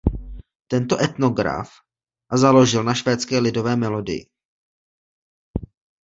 Tento etnograf a založil na švédské lidové melodii.